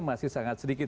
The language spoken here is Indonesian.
masih sangat sedikit